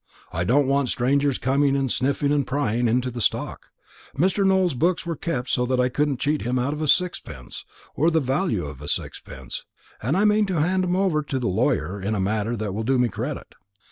I don't want strangers coming sniffing and prying into the stock. Mr. Nowell's books were kept so that I couldn't cheat him out of a sixpence, or the value of a sixpence; and I mean to hand 'em over to the lawyer in a manner that will do me credit.